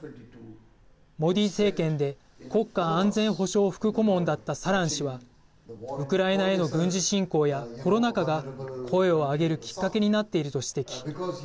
モディ政権で国家安全保障副顧問だったサラン氏はウクライナへの軍事侵攻やコロナ禍が声を上げるきっかけになっていると指摘。